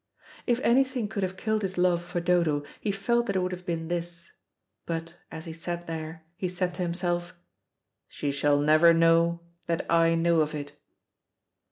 If anything could have killed his love for Dodo he felt that it would have been this. But, as he sat there, he said to himself, "She shall never know that I know of it."